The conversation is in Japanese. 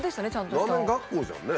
ラーメン学校じゃんね。